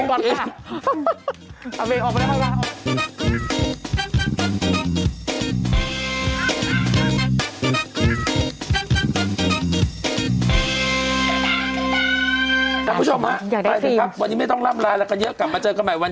เอาแม่งก่อนดีกว่าเอาแม่งก่อนดีกว่าเอาแม่งก่อนดีกว่าเอาแม่งก่อนดีกว่าเอาแม่งก่อนดีกว่า